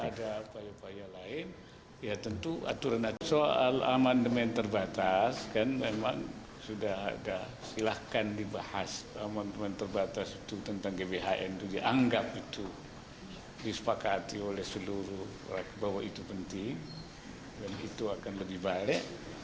kalau ada apa apa yang lain ya tentu aturan soal amandemen terbatas kan memang sudah ada silahkan dibahas amandemen terbatas itu tentang gbhn itu dianggap itu disepakati oleh seluruh rakyat bahwa itu penting dan itu akan beribadik